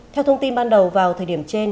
theo thông tin ban đầu vào thời điểm trên